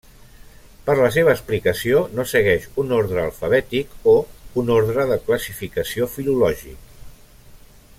Per la seva explicació no segueix un ordre alfabètic o un ordre de classificació filològic.